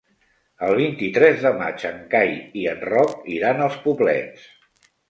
El vint-i-tres de maig en Cai i en Roc iran als Poblets.